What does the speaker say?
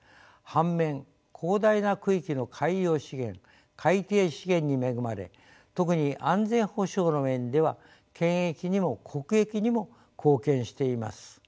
反面広大な区域の海洋資源海底資源に恵まれ特に安全保障の面では県益にも国益にも貢献しています。